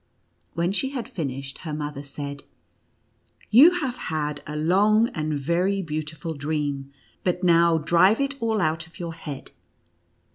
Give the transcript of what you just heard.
When she had finished, her mother said: " You have had a long and very beautiful dream, but now drive it all out of your head."